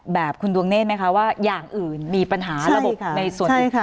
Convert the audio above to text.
แบบคุณดวงเน่นไหมค่ะว่าอย่างอื่นมีปัญหาระบบใช่ค่ะในส่วนอีกของเราเจออะไรบ้างค่ะ